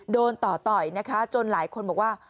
โดนต่อต่อยนะคะจนหลายคนบอกว่า